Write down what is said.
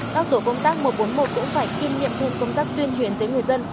các rủ công tác một trăm bốn mươi một cũng phải kiên nghiệm thêm công tác tuyên truyền tới người dân